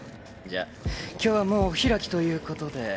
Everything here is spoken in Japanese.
じゃあ今日はもうお開きということで。